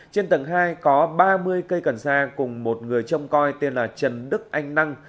trên tầng hai có ba mươi cây cần sa cùng một người trông coi tên là trần đức anh năng